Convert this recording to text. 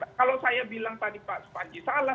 jadi kalau saya bilang tadi pak supanji salah